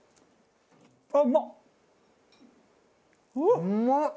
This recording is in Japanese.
うまっ！